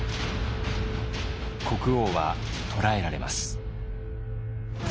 国王は捕らえられます。